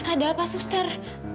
ada apa suster